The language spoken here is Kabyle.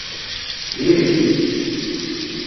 Diri-k!